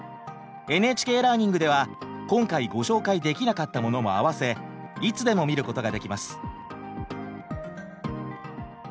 ＮＨＫラーニングでは今回ご紹介できなかったものも合わせいつでも見ることができます。